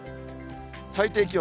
最低気温。